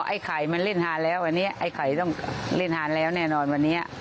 ไอ้ไข่มันเล่นฮานแล้วอันนี้ไอ้ไข่ต้องเล่นฮานแล้วแน่นอนวันนี้